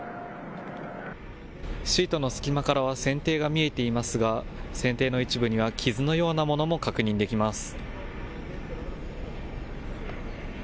シートの隙間からは船底が見えていますが、船底の一部には傷のようなものも確認できます。